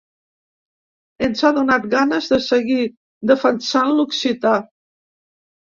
Ens ha donat ganes de seguir defensant l’occità.